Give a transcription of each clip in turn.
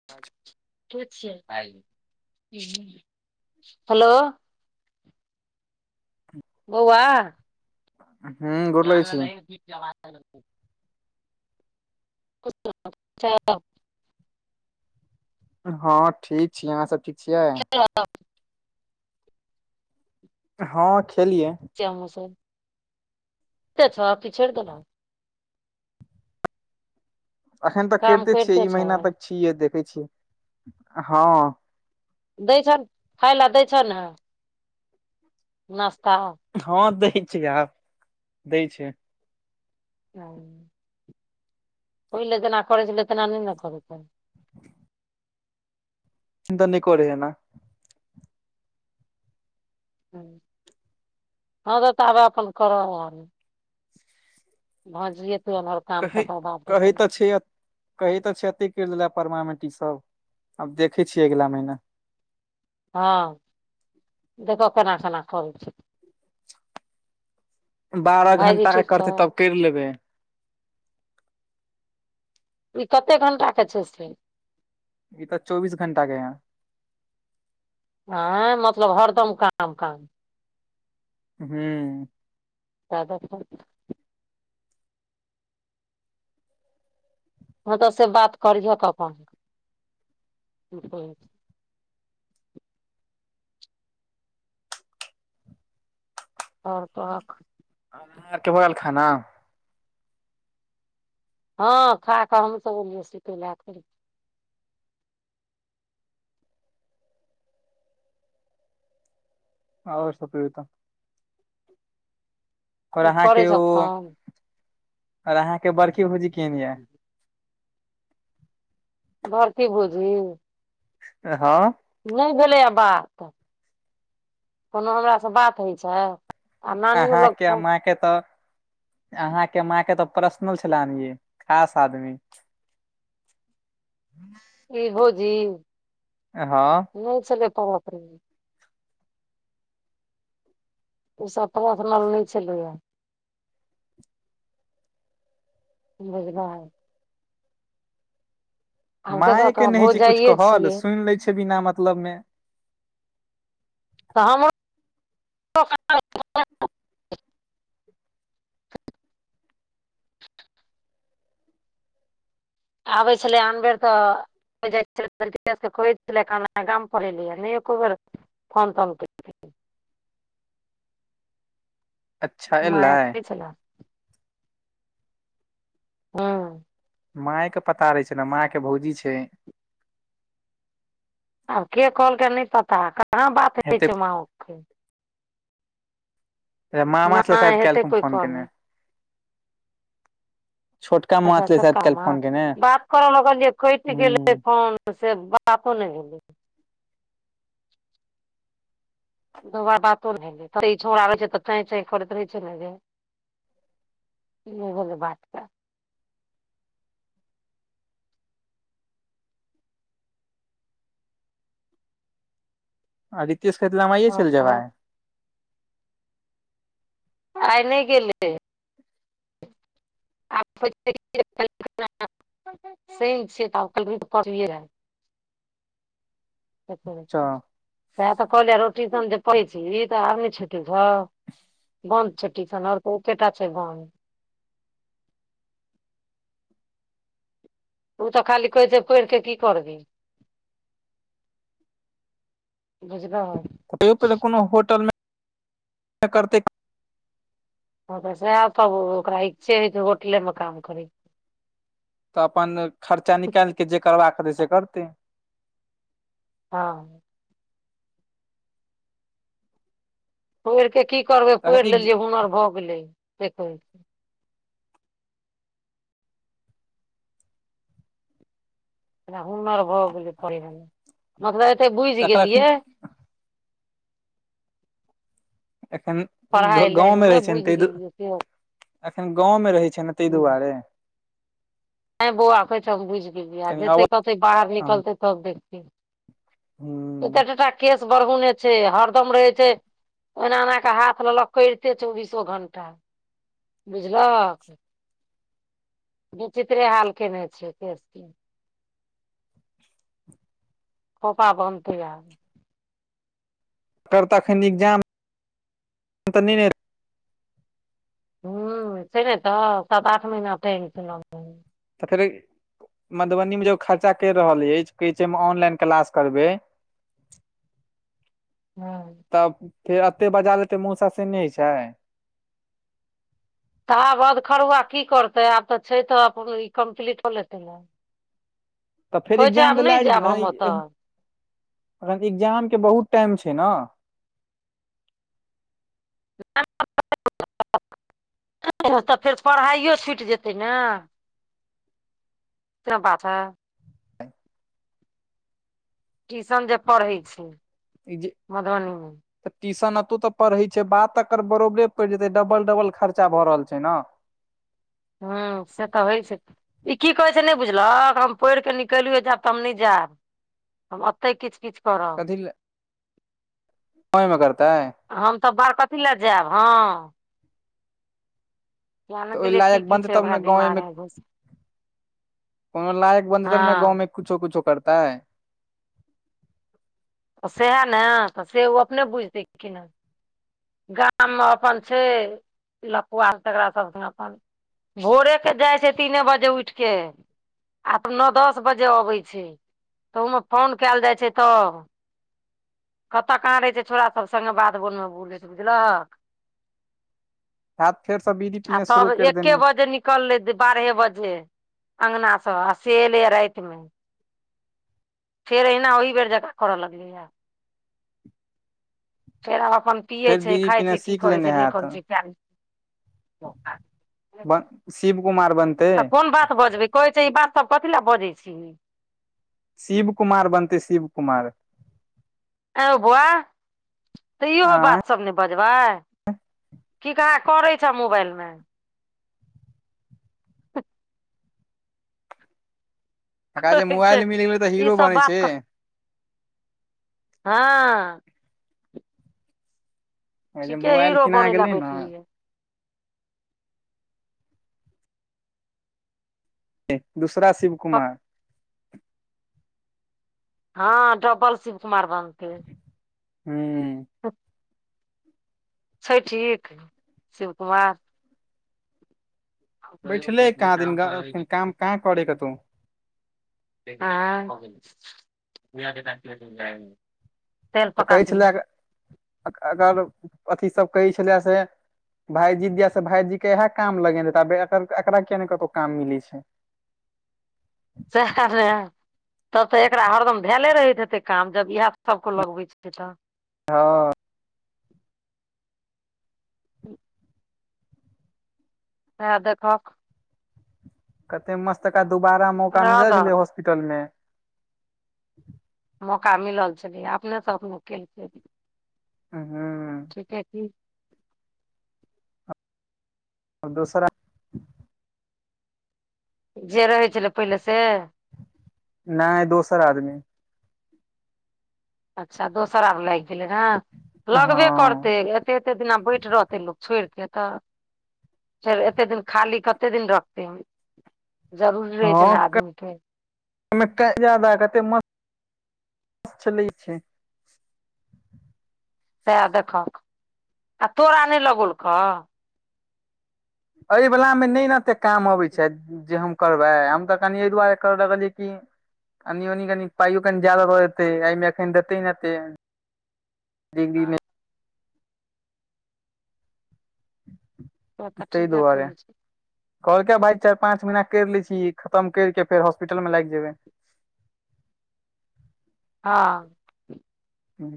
[inaudible] के छिये हेलो। [inaudible] बौआ हूँ, गोर लगै छी। [unintelligible] [unintelligible] [unintelligible] हँ ठीक छी, अहाँ सब ठीक छियै। [unintelligible] हँ, खेलियै। किया हँसब, पीबते छहक की छोइर देलहक। अखन तक काम करिते छियै, ई छौ महिना तक छियै, देखै छियै, हँ। दै छन, खाइ लऽ दै छ न? नाश्ता हँ, दै छै आब, दै छै। [inaudible] पहिले जेना करै छलै, तेना नहि ने करै छै। द नइ करैय एना। हँ तऽ ताबे अप्पन कऽर [unintelligible] भ जिएतौ एनहर कहै, कहै तऽ छै कही तऽ छै एत्ते कैर दैल परमामेंट ईसभ, आब देखे छियै अगिला महीना। हँ, देखऽ केना-केना करै छै। बारह भायजी घंटाक ठीक छौ करतै, तब कैर लेबै। ई कत्ते घंटा के छै, से। ई तऽ चौबीस घंटा के यऽ। आँ, मतलब हरदम काम, काम। हूँ तागत [unintelligible] हँ तऽ, से बात करिहक अपन। आओर कहक। अहाँ आरके भऽ गैल खाना। हँ, खा कऽ, हमसभ एलियै, सुतै लऽ अखनी। आओर सभ कहियो तऽ। और अहाँ करै के छह ओ, फोन और अहाँ के बड़की भौजी केहन यऽ। बड़की भौजी। ए हँ। नइ भेलैए बात, कोनो हमरासँ बात होइ छै? आ नानियो अहाँ के लग माँ के तऽ अहाँ के माँ के तऽ पर्सनल छलऽ अनये, खास आदमी। [inaudible] इहो जी। ए हँ। नइ छलै [unintelligible] उ सभ पर्सनल नइ छलै यऽ। [unintelligible] आब माय देखहक के नहि हइ छै कुछ भौजाइये कहल, सुइन लै छै बिना मतलब मे। हँ मो- [inaudible] आबै छलै आनबेर तऽ [unintelligible] गाम पर एलै या नै एकोबेर- फोन तोन केल- अच्छा माय एलै एतेै छेल्ला। हँ। माय के पता रहै छै ने माँय के भौजी छै। आब के कहलकै नय पता कहाँ बात होइ हेते छै माँ ओ के- मामा से शयद नहि हेतै कैलखुन कोइ फोन केने। कहने छोटका माँ अच्छा छलै शायद छोटका काल्हि मामा फोन केने बात करऽ लगलियै कैट गेलै हूँ फोन। ओ से बातो नैय भेलै। दोबारा बातो ने भेल तऽ चै चै करैत रहै छै ने जे- नै होला बात केल- आ रितेश कहेैतरहे हम आये चैल जेबै? तऽ आय नैय गेलै। [unintelligible] सैन छियै तऽ [unintelligible] पड़यै। अच्छा सएह तऽ कहलियै रो टीशन जे पढ़य छीही तऽ आब नय छै- [unintelligible] बन्द छै टीशन ओर तऽ एकेटा छै बन्द। ओ तऽ खाली कहै छै पैढ़ कऽ की करबै। बुझलहक कहियो पहिले कोनो होटल मे करतै। हँ तऽ सएह तब ओकरा इच्छे हइ छै होटले मे काम करै- तऽ अपन खर्चा निकैलके जे करबाक हेतै से करतै। हँ। पैढ़िकऽ की करबै पैड़ तखन एक लेलियै हुनर भऽ गेलै सेै कहेै। हुनर भऽ गेलै पढ़ै मे मतलब एते बुइझि तखन गेलियै। एखन ग- पढ़ाइ ग -गाँव लाइन मे रहै छै ने बुझि तै गेलियै से एखन गाँव मे रहै छै ने तैय दुआरे। नैय बौआ कहै छै हम बुइझ गेलियै कनि आब जतेै कतै बाहर निकलतै तब देखतै। हूँ एततटा केस बरहोने छै हरदम रहे छै। ओना एना कऽ हाथ लेलऽ करिते चौबीसो घंटा बुझलहक। बिचित्रे हाल केने छै केश के- खोपा बनहतै आब- तब तऽ एखन एग्जाम नैय हेत। हँ छै ने तऽ सात आठ महीना टाईम छैय लागल। तऽ फेर मधुबनी मे जे खर्चा कैर रहल अइछ कहै छै हम ऑनलाइन क्लास करबेै। हँ। तब फेर एते बजा लेतेै मौसा से नैय होय छै। तऽ आब अधखरुआ की करतै आब तऽ छै तऽ अपन ई कम्प्लीट कऽ लेतै नऽ। तऽ फेर कहै छै आब एग्जाम तऽ नैय जेएब हम ओतऽ। एखन एग्जाम के बहुत टाइम छै न। [unintelligible] तऽ फेर पढ़ाइो छुइट जेतै न। से बात है। टीशन जे पढ़ै छैय। [inaudible] त टीशन एतौ त पढ़ै छैय बात एकर बरोबरे पड़ि जेतै डबल- डबल खर्चा भ रहल छैय न। हु से त होइ छैय। इ की कहै छैय नय बुझलहक हम पढ़ि कऽ निकलियौ जायब त हम नय जायब। हम अतय किछ -किछ करब। गावेमे करतय। हम त बाहर कथी लए जायब हँ। त ज्ञान के ओय लिए की लायक की बनतै छै तब ओकरा ने दिमाग गाँवेमे मे घुस कोनो लायक बनतै तब ने हँ गाँव मे कुछो-कुछो करतैय। त सएह ने से ओ अपने बुझतै कि ने। गाम मे अपन छैय लफुआ तेकरा सब संगे अपन भोरे के जाय छैय तीने बजे उइठ के आ नौ दस बजे अबय छैय तहुमे फोन केऽल जाय छैय तब। कतऽ कहाँ रहय छैय छोड़ा सब संगे बाध बोन मे बुलैत बुझलहक। हैत फेरसँ बीड़ी आ पीना शुरू तब करि एके देने बजे निक लले बारहे बजे अंगना स आ से एलेैया राइतमे। फेर अहिना ओहि बेर जेका करऽ लगलैया। फेर आब अपन पियै फेर छैय, बीड़ी खाय पीना छैय की सीख करै लेने छैय नै हैत करै छैय किया नय गेलियै बौका। ब शिव कुमार बन त कोन बात बजबै कहै छैय इ बात सब कथी लए बजै छिही। शिब कुमार बनतय शिब कुमार। ए हौ बौआ त इहो आँय बात सब ने बजबै की काहाँ करै छैय मोबाइलमे। एकरा जे कहै छै मोबाइल मिल गेलैय त ई हीरो सब बनय बात क छैय। हँ। जे ठीके मोबाइल हीरो किना बनय लए गेलै ने बैठलैये। दूसरा शिव कुमार। हँ डबल शिवकुमार बनतै। हूँ। उ छैय ठीक शिव कुमार। बैठलेै कहाँ दिन काम कहाँ करेय कतौ। आँय। तेल त पका कहै ली छेला अगर अथि सब कहै छेला से भाइजी दिया से भाइजी के इहे काम लगेने तब एकरा किया नय कतौ काम मिलेै छैय। सेहा ने। तब त एकरा हरदम धैले रहैत हेतै काम जब इएह सबके लगबै छैय त। हँ। सएह देखहक। एते मस्त एकरा दुबारा मौका रह मिलल दहक छेलेै हॉस्पिटल मे मौका मिलल छेलैये अपने स अपनो केलकै। हँ। ठीके की, हम दोसरा जे रहै छेलै, पहिले से नैय दोसर आदमी अच्छा दोसर आब लैग गेलै ने लगबे हँ करतै, एते -एते दिना बैठ रहतै लोक छोइड़ के तऽ, फेर एते दिन खाली कते दिन रखते जरूरी रहै छैय, न आदमी के ओमे त ज्यादा कते मास [inaudible] चलै छैय सएह देखहक, आ तोरा नैय लगौल कऽ एैय वला मे नैय ने एते काम अबै छैय। जे हम करबै हम तऽ, कनि एय दुआरे करऽ लगलियै कि अनि ओनी कनि पाइयो कनि ज्यादा द देतै, ऐय मे एखन देतेै ने एतेऽ, [unintelligible] से तऽ तइ ठीके दुआरे कहै छै कहलके भाय चाइर पाँच महना करि लै छी, खतम कर के फेर हॉस्पिटल मे लाइग जेबै। हँ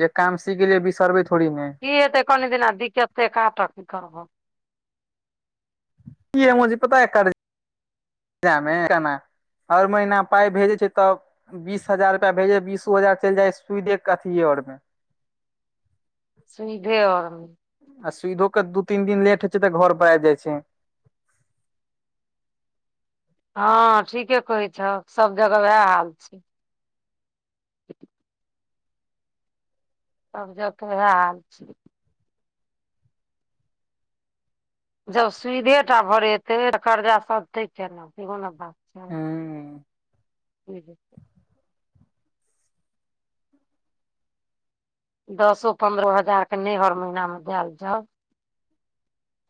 जे काम सिख गेलियै बिसरबै थोड़ी ने, की हेतै कनि दिना दिक्कतेक काटऽ कि करबहो की ए मुजी पता एक क मे केना हर महिना पाइ भेजै छै, तब बीस हजार रुपआ भेजेै बीसो हजार चइल जाय सुधो कथिये ओर मै, सुधे अर मे आ सुधो के दू तीन दिन लेट होय छै, तऽ घर पर आब जाय छै। हँ ठीके कहैत छहऽ, सब जगह ओएह हाल छै। तब ज क [unintelligible] इएह हाल छय। जब सुधे टा भरेतै तऽ, कर्जा सधतै केना सेहो न बात छै हँ [inaudible] दसो पन्द्रहो हजार के नई हर महिना मे देल जाउध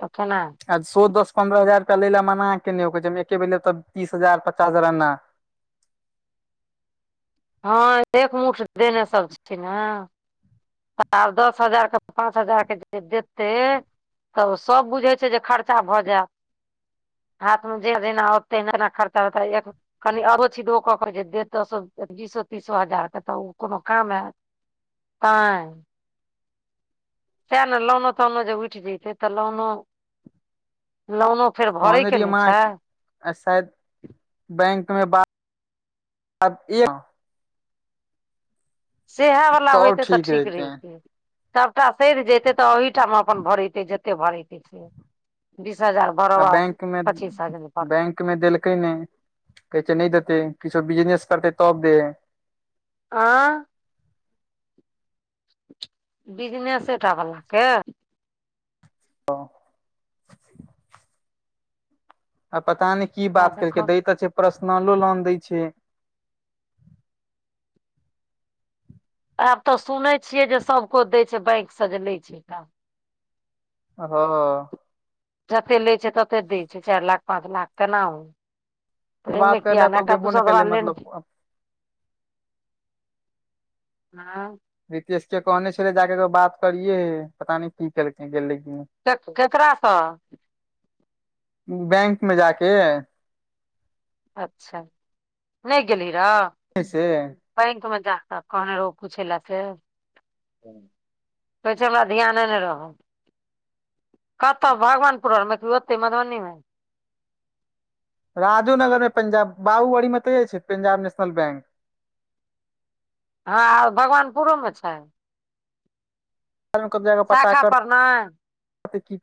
त केना हैते। आ सो दस पन्द्रह हजार रुपआ ले ला मना के ने ओ कहे छै, हम एके बेर लेब तऽ तीस हजार पचास हजार एना। हँ एक मुठ देने सब छथिन, न। त आब दस हजारक पाँच हजारके जे देतै। तऽ सब बुझै छै, जे खर्चा भऽ जायत हाथमे जे जेना ओतै तेना खर्चा होतै, एक कनि आधो छी दो कऽ क जे देतऽ, सब त बीसो तीसो हजार के तऽ, ओ कोनो काम हैत, तै। सएह ने लोनो तोनो जे उठि जइतै तऽ, लोनो - लोनो फेर कहने भरैके रहिए ने माँ छै आ शायद बैंक मे बात [inaudible] एक सएह वालला होतै तऽ ठीक रहितै सभटा सइध जतै तऽ, ओहिठामा अपन भरेतै जैते। कते भरतै बीस हजार भरो आ बैंक मे पचीस हजार भर बैंक मे देलकै नइ, कहै छै नई देते किछो बिजनेस करतै तब देै। आँ बिजनेसेटा बलाके आ पता नहि की सएह बात केरकै देखब दैत अछि, पर्सनलो लोन दय छै। आब तऽ सुनै छियै जे सभकछ दै छै, बैंक से जे लै काम। हाँ जते ले छै तते दै छै, चार लाख, पाँच लाख केना हो। तमे बात करे [unintelligible] आ लए तऽ एक गेबो दूसर नहि त केलै बनल मतलब न हाँ रीतेश के कहने छैे, जाके बात करियेे पता न की केलकै, गलैय कि नै। के केकरा स? बैंक में जाके। अच्छा, नहि गेली र? से [unintelligible] बैंक मे जाक कहने रहौ पुछेला से? कह छै हमरा ध्याने नहि रहल। कतऽ भगवानपुर आओरमे की ओतै मधुबनीमे? राजू नगर मे पंजाब, बाबूबड़ी मे तऽ ए छै पंजाब नेशनल बैंक। हँ भगवानपुरोमे छै? कत [unintelligible] जाकऽ पता शाखा कर पर नै क